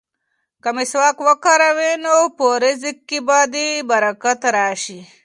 که مسواک وکاروې نو په رزق کې به دې برکت راشي.